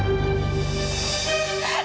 apa yang sebenarnya